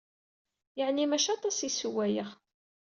Yeɛni maci aṭas ay ssewwayeɣ.